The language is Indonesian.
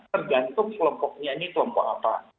tergantung kelompoknya ini kelompok apa